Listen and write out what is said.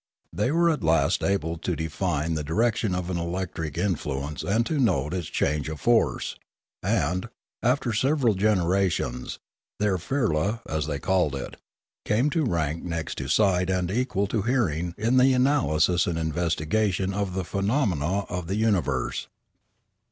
They were at last able to define the direction of an electric in fluence and to note its changes of force, and, after several generations, their firla, as they called it, came to rank next to sight and equal to hearing in the analysis and investigation of the phenomena of the universe.